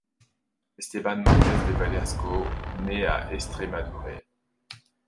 Esteban Márquez de Velasco naît en Estremadure.